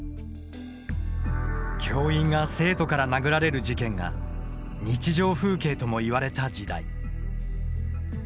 教員が生徒から殴られる事件が日常風景ともいわれた時代。